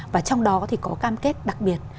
và trong đó thì có cam kết đặc biệt